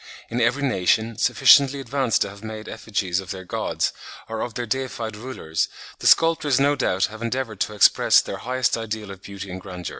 In every nation sufficiently advanced to have made effigies of their gods or of their deified rulers, the sculptors no doubt have endeavoured to express their highest ideal of beauty and grandeur.